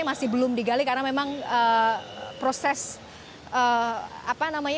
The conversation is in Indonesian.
masih belum digali karena memang proses apa namanya